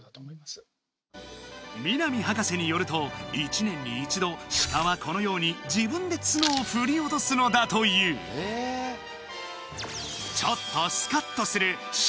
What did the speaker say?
南博士によると１年に１度シカはこのように自分で角を振り落とすのだというでした